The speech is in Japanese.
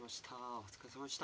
お疲れさまでした。